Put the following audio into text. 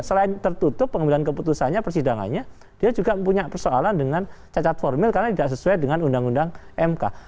selain tertutup pengambilan keputusannya persidangannya dia juga punya persoalan dengan cacat formil karena tidak sesuai dengan undang undang mk